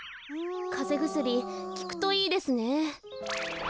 かぜぐすりきくといいですね。